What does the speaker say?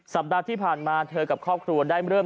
สัปดาห์ที่ผ่านมาเธอกับครอบครัวได้เริ่ม